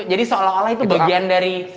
jadi seolah olah itu bagian dari